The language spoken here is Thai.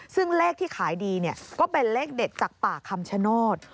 ซึ่งเลขที่ขายดีก็เป็นเลขเด็ดจากป่าคำชโนธ